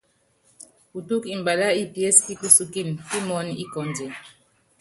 Putúk mbalá i pies pi kusúkin pimɔɔn ikɔndiɛ.